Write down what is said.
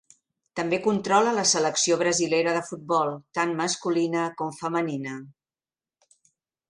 També controla la selecció brasilera de futbol, tant masculina com femenina.